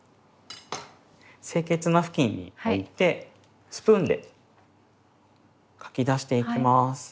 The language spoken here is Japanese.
清潔なふきんに置いてスプーンでかき出していきます。